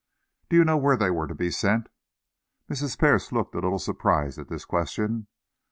"Do you know where they were to be sent?" Mrs. Pierce looked a little surprised at this question.